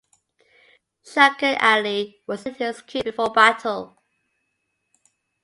Shaykh Ali was already executed before battle.